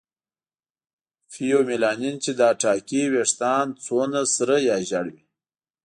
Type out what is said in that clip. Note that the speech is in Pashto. فیومیلانین چې دا ټاکي ویښتان څومره سره یا ژېړ وي.